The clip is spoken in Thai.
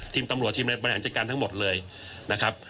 ทีมตำรวจทีมบริหารจัดการทั้งหมดเลยนะครับ